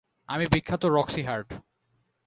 আমি বিখ্যাত Roxy heart.